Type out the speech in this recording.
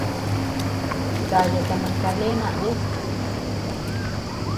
Daya ta Magdalena ú.